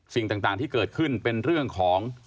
สิ่งต่างที่เกิดขึ้นเป็นเรื่องของ